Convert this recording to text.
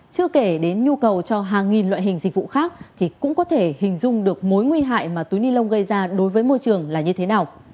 chưa kể đến nhu cầu cho hàng nghìn loại hình dịch vụ khác thì cũng có thể hình dung được mối nguy hại mà túi ni lông gây ra đối với môi trường là như thế nào